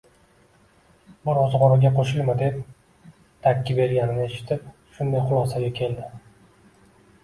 Bu roʻzgʻorga qoʻshilma, deb dakki berganini eshitib, shunday xulosaga keldi